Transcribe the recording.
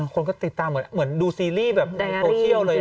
คนก็ติดตามเหมือนดูซีรีส์แบบในโซเชียลเลย